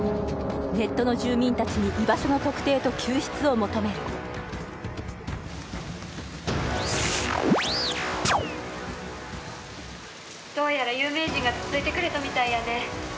ネットの住民達に居場所の特定と救出を求める☎どうやら有名人がつついてくれたみたいやね